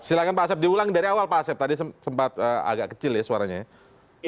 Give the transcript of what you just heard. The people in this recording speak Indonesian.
silahkan pak asep diulang dari awal pak asep tadi sempat agak kecil ya suaranya ya